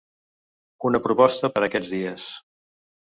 Una proposta per aquests dies.